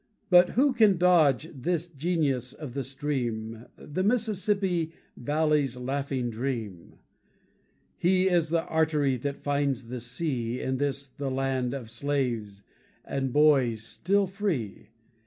But who can dodge this genius of the stream, The Mississippi Valley's laughing dream? He is the artery that finds the sea In this the land of slaves, and boys still free.